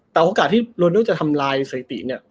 แต่โอกาสที่โรโดจะทำลายสถิติเนี่ย